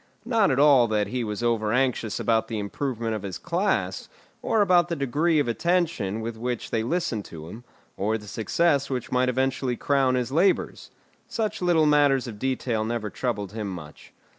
Not at all that he was over anxious about the improvement of his class, or about the degree of attention with which they listened to him, or the success which might eventually crown his labours. Such little matters of detail never troubled him much.